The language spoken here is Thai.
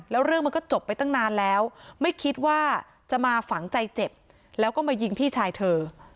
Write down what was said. แล้วเรื่องมันก็จบไปตั้งนานแล้วไม่คิดว่าจะมาฝังใจเจ็บแล้วก็มายิงพี่ชายเธอ